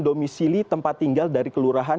domisili tempat tinggal dari kelurahan